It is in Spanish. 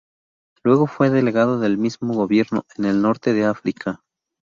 Luego fue delegado del mismo gobierno en el Norte de África.